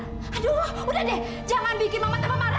aduh udah deh jangan bikin mama tambah marah